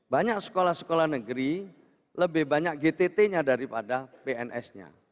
banyak sekolah sekolah negeri lebih banyak gtt nya daripada pns nya